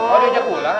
oh dia ajak bulan